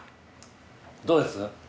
どうです？